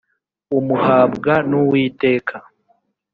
umuhabwa n’uwiteka